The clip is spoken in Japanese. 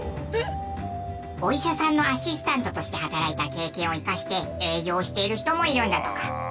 お医者さんのアシスタントとして働いた経験を生かして営業している人もいるんだとか。